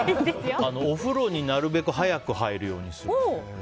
お風呂になるべく早く入るようにする。